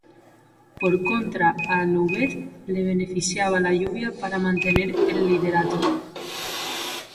Por contra a Loubet le beneficiaba la lluvia para mantener el liderato.